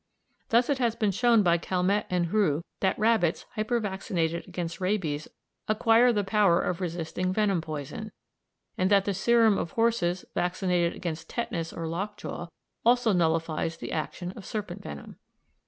Thus it has been shown by Calmette and Roux that rabbits hyper vaccinated against rabies acquire the power of resisting venom poison, and that the serum of horses vaccinated against tetanus or lock jaw also nullifies the action of serpent venom.